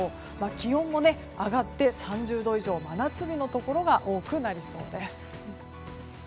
気温も上がって３０度以上真夏日のところも多くなりそうです。